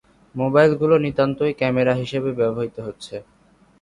মোবাইলগুলো নিতান্তই ক্যামেরা হিসেবে ব্যবহৃত হচ্ছে।